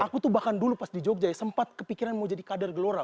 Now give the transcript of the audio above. aku tuh bahkan dulu pas di jogja ya sempat kepikiran mau jadi kader gelora